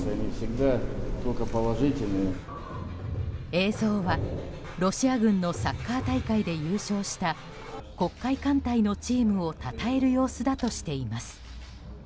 映像はロシア軍のサッカー大会で優勝した黒海艦隊のチームをたたえる様子だとしています。